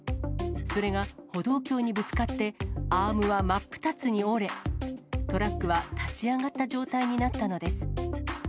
それが歩道橋にぶつかって、アームは真っ二つに折れ、トラックは立ち上がった状態になったのです。